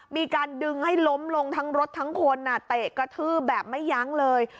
มีการดึงให้ล้มลงทั้งรถทั้งคนเตะกระทืบแบบไม่ยั้งเลย